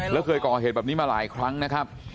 แล้วเคยก่อเหตุแบบนี้มาหลายครั้งนะครับ